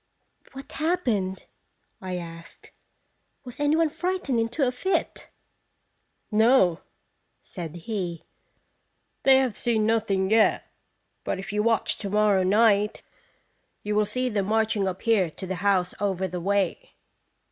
"What happened?" I asked. "Was any one frightened into a fit?" "No," said he; "they have seen nothing "Sir* tlje 8)*ai> Eeabr' 287 yet. But if you watch to morrow night, you will see them marching up here to the house over the way."